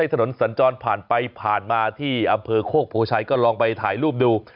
สัญจรผ่านไปผ่านมาที่อำเภอโคกโพชัยก็ลองไปถ่ายรูปดู